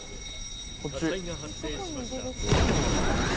こっち。